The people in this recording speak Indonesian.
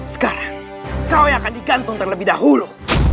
sekarang kau yang akan digantung terlebih dahulu